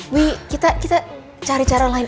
wih kita kita cari cara lain